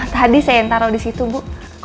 tadi saya yang taruh di situ bu